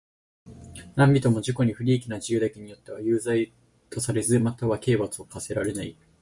何人（なんびと）も自己に不利益な自白だけによっては有罪とされず、または刑罰を科せられない。